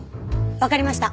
わかりました。